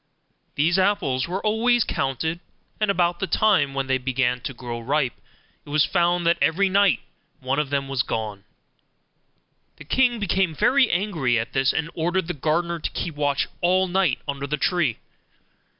These apples were always counted, and about the time when they began to grow ripe it was found that every night one of them was gone. The king became very angry at this, and ordered the gardener to keep watch all night under the tree.